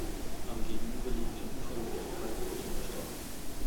Am gegenüberliegenden Ufer wurde er kaltblütig erstochen.